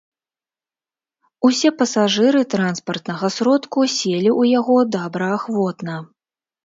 Усе пасажыры транспартнага сродку селі ў яго добраахвотна.